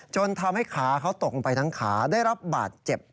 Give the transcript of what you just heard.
จนทำให้ขาเขาตกลงไปทั้งขาได้รับบาดเจ็บ